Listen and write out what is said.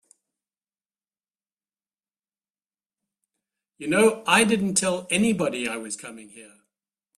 You know I didn't tell anybody I was coming here.